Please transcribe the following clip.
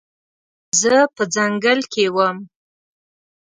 زه په ځنګل کې وم